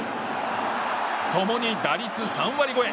共に打率３割超え